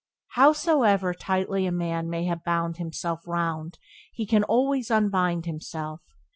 Howsoever tightly a man may have bound himself round he can always unbind himself.